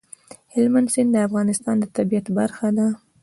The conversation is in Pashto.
هلمند سیند د افغانستان د طبیعت برخه ده.